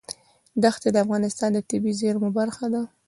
دښتې د افغانستان د طبیعي زیرمو برخه ده.